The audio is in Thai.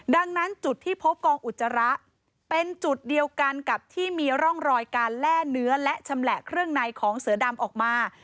ดังนั้นจุดที่พบกองอุจจาระเป็นจุดเดียวกันกับที่มีร่องรอยการแล่เนื้อและชำแหละเครื่องในของเสือดำออกมา